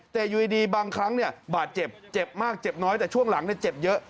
แต่อยู่ดีบางครั้งบาดเจ็บเจ็บมากเจ็บน้อยแต่ช่วงหลังเจ็บเยอะ